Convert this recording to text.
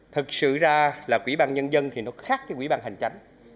thật sự ra là quỹ ban nhân dân thì nó khác cái quỹ ban hành chánh